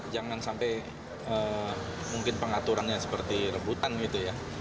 jangan sampai mungkin pengaturannya seperti rebutan gitu ya